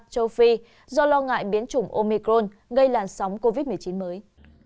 châu phi do lo ngại biến chủng omicron gây làn sóng covid một mươi chín mới